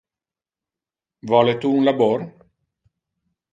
Vole tu un labor?